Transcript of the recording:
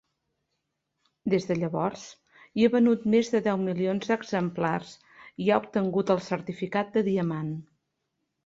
Des de llavors, hi ha venut més de deu milions d'exemplars i ha obtengut el certificat de diamant.